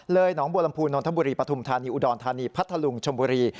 หนองบัวลำพูนนทบุรีปฐุมธานีอุดรธานีพัทธลุงชมบุรี